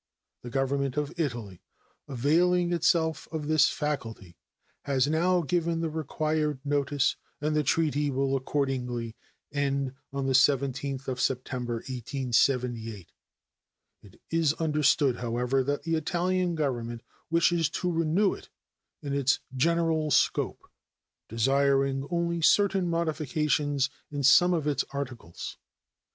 The Government of Italy, availing itself of this faculty, has now given the required notice, and the treaty will accordingly end on the 17th of September, 1878. It is understood, however, that the Italian Government wishes to renew it in its general scope, desiring only certain modifications in some of its articles.